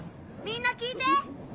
みんな聞いて！